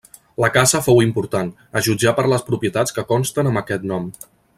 La casa fou important, a jutjar per les propietats que consten amb aquest nom.